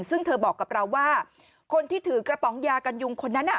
ซึ่งเธอบอกกับเราว่าคนที่ถือกระป๋องยากันยุงคนนั้น